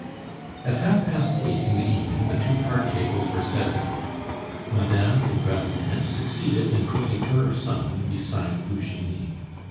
At half past eight in the evening the two card tables were set out. Madame des Grassins succeeded in putting her son beside Eugenie.